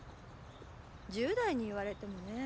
１０代に言われてもねえ？